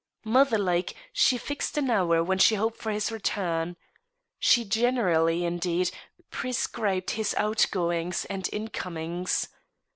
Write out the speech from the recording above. Mother like, she fixed an hour when she hoped for his return. She generally, indeed, prescribed his outgoings and incomings.